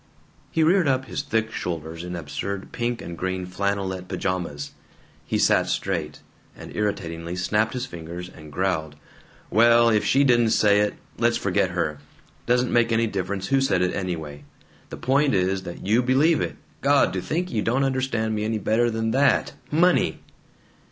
He reared up his thick shoulders, in absurd pink and green flannelette pajamas. He sat straight, and irritatingly snapped his fingers, and growled: "Well, if she didn't say it, let's forget her. Doesn't make any difference who said it, anyway. The point is that you believe it. God! To think you don't understand me any better than that! Money!"